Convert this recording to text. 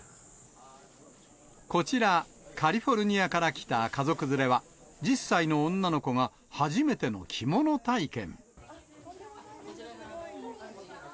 こちら、カリフォルニアから来た家族連れは、１０歳の女の子が初めての着物体験。